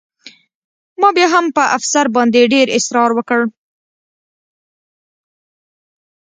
ما بیا هم په افسر باندې ډېر اسرار وکړ